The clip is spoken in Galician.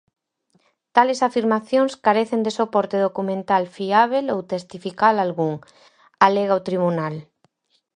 "Tales afirmacións carecen de soporte documental fiábel ou testifical algún", alega o tribunal.